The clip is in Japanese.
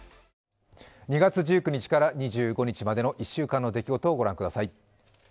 ２月１９日から２５日までの１週間の出来事をご覧ください。